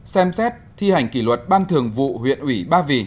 ba xem xét thi hành kỷ luật ban thường vụ huyện ủy ba vì